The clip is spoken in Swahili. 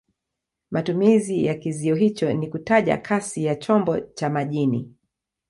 Matumizi ya kizio hicho ni kutaja kasi ya chombo cha majini.